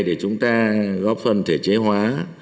để chúng ta góp phần thể chế hóa